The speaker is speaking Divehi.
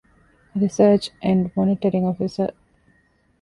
ރިސަރޗް އެންޑް މޮނިޓަރިންގ އޮފިސަރ